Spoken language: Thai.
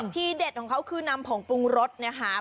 เด็ดของเขาคือนำผงปรุงรสนะคะ